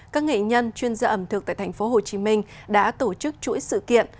các nghệ nhân chuyên gia ẩm thực tại tp hcm đã tổ chức chuỗi sự kiện